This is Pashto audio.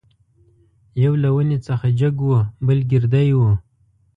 یو له ونې څخه جګ وو بل ګردی وو.